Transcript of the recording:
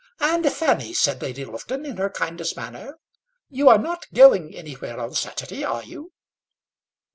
"And, Fanny," said Lady Lufton, in her kindest manner, "you are not going anywhere on Saturday, are you?"